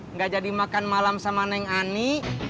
nggak jadi makan malam sama neng ani